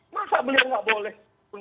masa beliau gak boleh